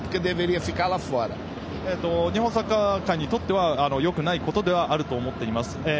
日本サッカー界にとってはよくないことではあると思っています。